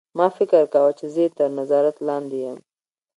ما فکر کاوه چې زه یې تر نظارت لاندې یم